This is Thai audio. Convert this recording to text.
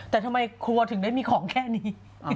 แต่ทำไมครัวถึงได้มีของแค่นี้